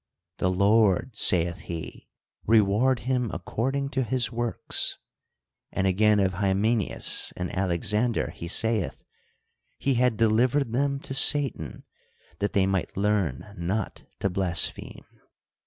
The Lord, saith he, reicard him according to his ivorks. And again, of Hymeneus and Alexander he saith, he had delivered them to Satan, that they ynight learn not to THE COUNTRY PARSON. 83 blaspheme.